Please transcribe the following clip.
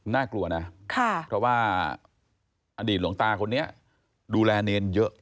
น่ากลัวนะเพราะว่าอดีตหลวงตาคนนี้ดูแลเนรเยอะ